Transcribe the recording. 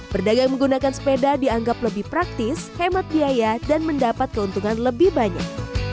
berdagang menggunakan sepeda dianggap lebih praktis hemat biaya dan mendapat keuntungan lebih banyak